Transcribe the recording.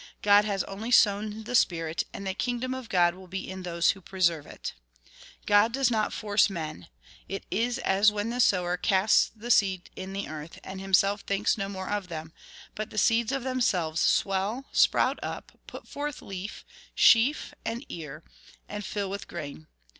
God has only sown the spirit, and the kingdom of God will be in those who pre serve it. God does not force men. It is as when the sower casts the seeds in the earth, and himself thinks no more of them ; but the seeds of themselves swell, sprout up, put forth leaf, sheath, and ear, and fill with grain.